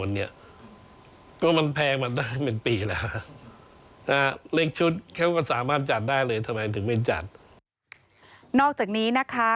นอกจากนี้นะคะ